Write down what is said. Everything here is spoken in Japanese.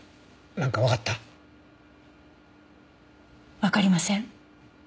わかりません。